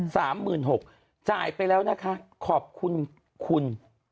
๓๖๐๐๐บาทจ่ายไปแล้วนะคะขอบคุณคุณ